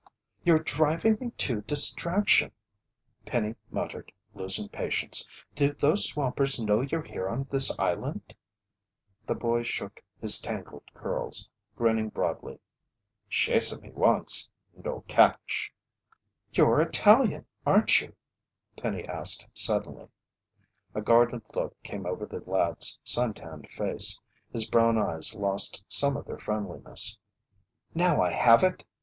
"You're driving me to distraction!" Penny muttered, losing patience. "Do those swampers know you're here on the island?" The boy shook his tangled curls, grinning broadly. "Chasa me once. No catch." "You're Italian, aren't you?" Penny asked suddenly. A guarded look came over the lad's sun tanned face. His brown eyes lost some of their friendliness. "Now I have it!"